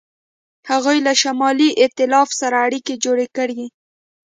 هغوی له شمالي ایتلاف سره اړیکې جوړې کړې.